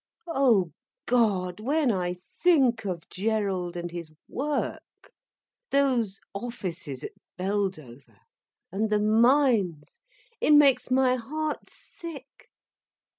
Oh God, when I think of Gerald, and his work—those offices at Beldover, and the mines—it makes my heart sick.